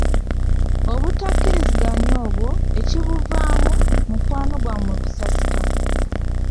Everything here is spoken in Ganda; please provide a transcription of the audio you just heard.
Obutakkiriziganya obwo, ekibuvaamu, mukwano gwammwe kusasika.